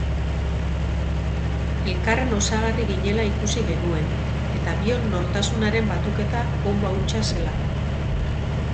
Elkarren osagarri ginela ikusi genuen eta bion nortasunaren batuketa bonba hutsa zela.